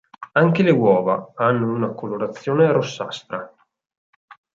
Anche le uova hanno una colorazione rossastra.